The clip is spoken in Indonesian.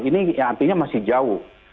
ini artinya masih jauh